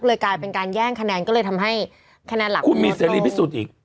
กลายเป็นการแย่งคะแนนก็เลยทำให้คะแนนหลังคุณมีเสรีพิสูจน์อีก